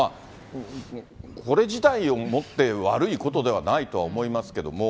これ自体をもって、悪いことではないとは思いますけども。